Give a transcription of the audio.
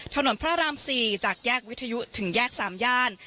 ถนนพระราม๔จากแยกวิทยุถึงแยก๓ย่าน